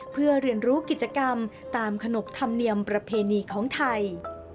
เพื่อเรียนรู้กิจกรรมตามขนบธรรมเนียมประเพณีของไทย